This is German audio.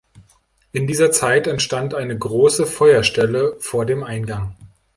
In dieser Zeit entstand eine große Feuerstelle vor dem Eingang.